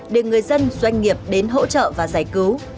để người dân doanh nghiệp đến hỗ trợ và giải cứu